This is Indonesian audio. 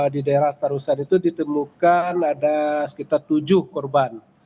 di daerah tarusan itu ditemukan ada sekitar tujuh korban